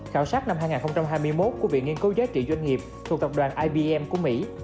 khảo sát năm hai nghìn hai mươi một của viện nghiên cứu giá trị doanh nghiệp thuộc tập đoàn ibm của mỹ